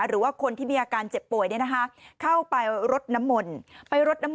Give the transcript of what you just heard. หรือว่าคนที่มีอาการเจ็บป่วยเนี่ยนะคะเข้าไปรดน้ำมนต์ไปรดน้ำม